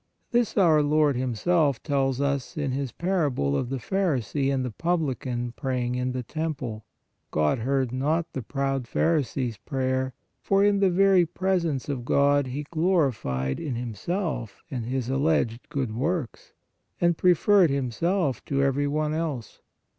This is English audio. This our Lord Himself tells us in His parable of the pharisee and the publican praying in the temple. God heard not the proud pharisee s prayer, for in the very presence of God he gloried in himself and his alleged good works, and preferred himself to every one else.